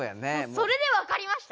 それでわかりました。